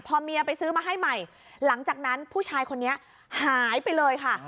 พอเมียไปซื้อมาให้ใหม่หลังจากนั้นผู้ชายคนนี้หายไปเลยค่ะ